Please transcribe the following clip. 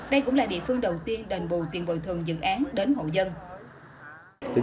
đây cũng là địa phương đầu tiên đền bù tiền bồi thường dự án đến hộ dân